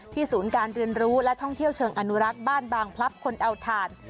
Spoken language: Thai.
ศูนย์การเรียนรู้และท่องเที่ยวเชิงอนุรักษ์บ้านบางพลับคนเอาถ่าน